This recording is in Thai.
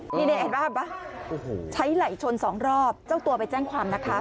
นี่เห็นป่ะใช้ไหล่ชนสองรอบเจ้าตัวไปแจ้งความนะคะ